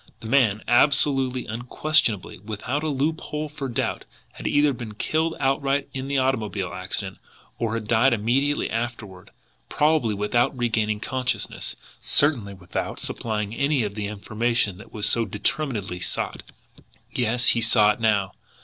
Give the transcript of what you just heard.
The man, absolutely, unquestionably, without a loophole for doubt, had either been killed outright in the automobile accident, or had died immediately afterward, probably without regaining consciousness, certainly without supplying any of the information that was so determinedly sought. Yes, he saw it now!